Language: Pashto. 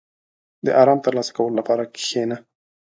• د آرام ترلاسه کولو لپاره کښېنه.